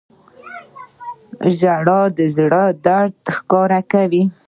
• ژړا د زړه درد ښکاره کوي.